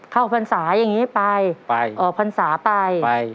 เข้าพรรษาอย่างงี้ไปไปอ๋อพรรษาไปไป